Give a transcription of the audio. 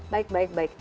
baik baik baik